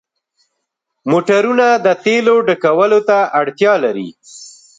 موټرونه د تیلو ډکولو ته اړتیا لري.